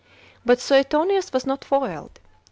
But Suetonius was not foiled.